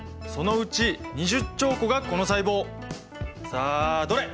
さあどれ？